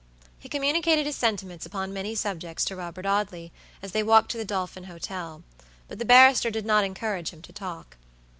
He communicated his sentiments upon many subjects to Robert Audley, as they walked to the Dolphin Hotel; but the barrister did not encourage him to talk.